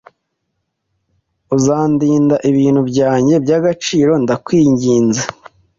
Uzandinda ibintu byanjye by'agaciro, ndakwinginze?